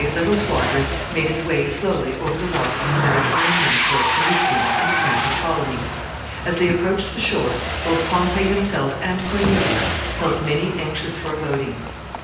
] Pompey's little squadron made its way slowly over the waters of the Mediterranean toward Pelusium and the camp of Ptolemy. As they approached the shore, both Pompey himself and Cornelia felt many anxious forebodings.